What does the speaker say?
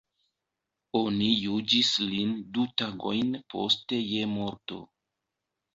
Oni juĝis lin du tagojn poste je morto.